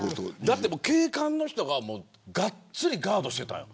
警官の人ががっつりガードしてたよ。